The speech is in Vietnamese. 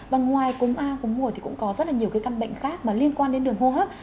và ngoài cúm a cúi thì cũng có rất là nhiều cái căn bệnh khác mà liên quan đến đường hô hấp